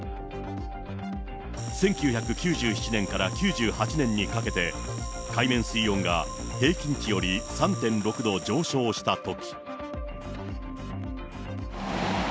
１９９７年から９８年にかけて、海面水温が平均値より３．６度上昇したとき。